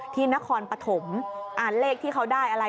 ที่นครปฐมอ่านเลขที่เขาได้อะไร